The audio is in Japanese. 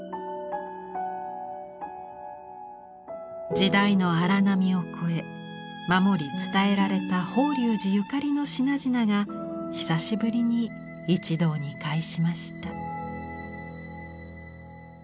時代の荒波を超え守り伝えられた法隆寺ゆかりの品々が久しぶりに一堂に会しました。